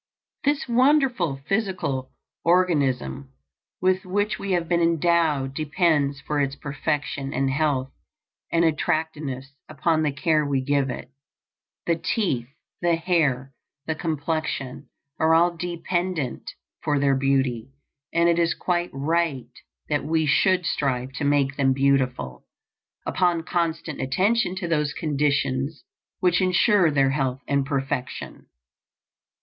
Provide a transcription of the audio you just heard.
This wonderful physical organism with which we have been endowed depends for its perfection and health and attractiveness upon the care we give it. The teeth, the hair, the complexion, are all dependent for their beauty and it is quite right that we should strive to make them beautiful upon constant attention to those conditions which insure their health and perfection.